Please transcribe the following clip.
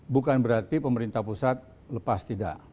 bukan berarti pemerintah pusat lepas tidak